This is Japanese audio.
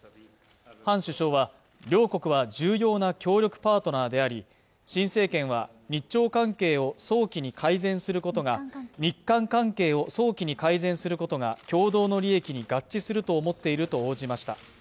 ハン首相は両国は重要な協力パートナーであり新政権は日朝関係を早期に改善することが日韓関係を早期に改善することが共同の利益に合致すると思っていると応じました